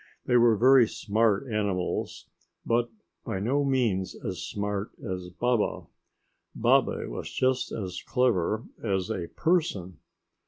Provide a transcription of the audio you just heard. They were very smart animals, but by no means as smart as Baba. Baba was just as clever as a person.